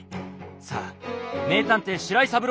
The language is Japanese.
さあ名探偵白井三郎。